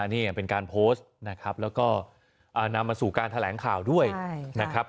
นี่เป็นการโพสต์นะครับแล้วก็นำมาสู่การแถลงข่าวด้วยนะครับ